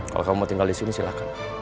kalau kamu mau tinggal di sini silahkan